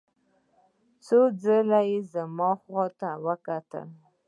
څو ځلې یې زما خواته وکتل.